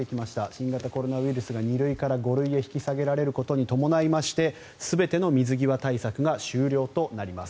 新型コロナウイルスが２類から５類へ引き下げられることに伴いまして全ての水際対策が終了となります。